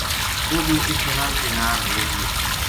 وہ بھی اِس جنا کے ناڑ ہو گیو